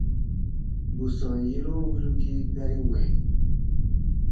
Bù sɔm yerun wirugii gari wɛ̃.